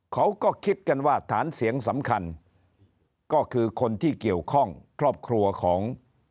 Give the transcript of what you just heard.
เขาก็คิดกันว่าฐานเสียงสำคัญก็คือคนที่เกี่ยวข้องครอบครัวของ